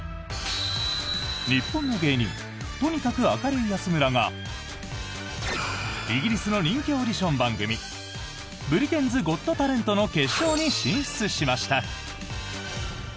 日本の芸人とにかく明るい安村がイギリスの人気オーディション番組「ブリテンズ・ゴット・タレント」の決勝に進出しました。